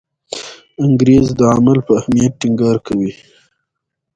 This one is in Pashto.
انګریز د عمل په اهمیت ټینګار کوي.